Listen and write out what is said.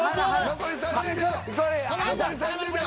残り３０秒。